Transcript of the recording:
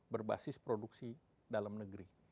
berbasis produksi dalam negeri